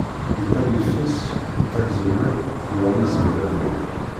Yeṭall yeffes, yeṭall zelmeḍ, yuɣal izger abrid.